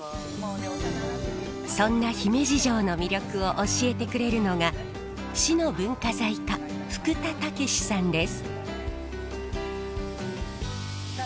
そんな姫路城の魅力を教えてくれるのが市の文化財課福田剛史さんです。